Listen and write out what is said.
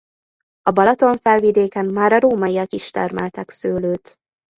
A Balaton-felvidéken már a rómaiak is termeltek szőlőt.